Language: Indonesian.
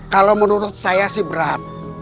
kalau menurut saya sih berat